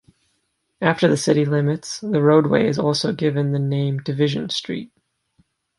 After the city limits, the roadway is also given the name Division Street.